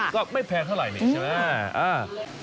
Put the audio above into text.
ก็ไม่แพงเท่าไหร่นี่ใช่ไหม